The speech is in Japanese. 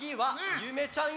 ゆめちゃん